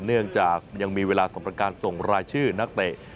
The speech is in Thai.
เนื่องจากยังมีเวลาสำหรับการส่งรายชื่อนักเตะ